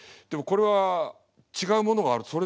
でもこれは違うものがある。